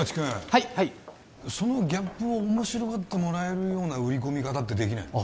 はいはいそのギャップを面白がってもらえるような売り込み方ってできないの？